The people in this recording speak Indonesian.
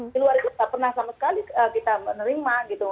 di luar itu tidak pernah sama sekali kita menerima gitu